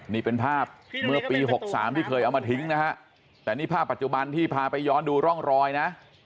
นี่เป็นภาพเมื่อปี๖๓ที่เคยเอามาทิ้งนะฮะแต่นี่ภาพปัจจุบันที่พาไปย้อนดูร่องรอยนะ